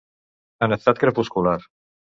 En estat crepuscular.